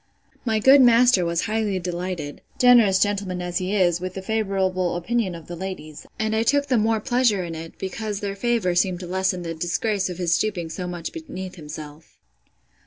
My good master was highly delighted, generous gentleman as he is! with the favourable opinion of the ladies; and I took the more pleasure in it, because their favour seemed to lessen the disgrace of his stooping so much beneath himself.